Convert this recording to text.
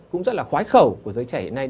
cũng rất là khoái khẩu của giới trẻ hiện nay